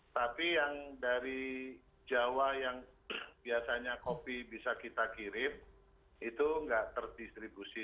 tapi yang dari jawa yang biasanya kopi bisa kita kirim itu nggak terdistribusi